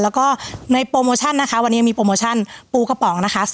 แล้วก็ในโปรโมชั่นนะคะวันนี้มีโปรโมชั่นปูกระป๋องนะคะ